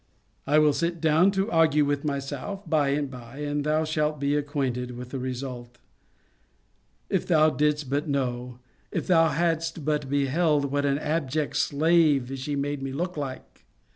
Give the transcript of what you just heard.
I will sit down to argue with myself by and by, and thou shalt be acquainted with the result. If thou didst but know, if thou hadst but beheld, what an abject slave she made me look like!